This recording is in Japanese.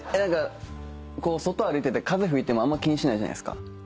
外歩いてて風吹いてもあんま気にしないじゃないですか。